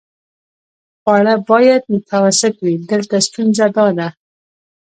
خواړه باید متوسط وي، دلته ستونزه داده.